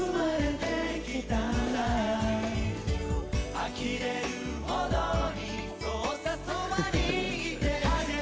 「あきれるほどにそうさそばにいてあげる」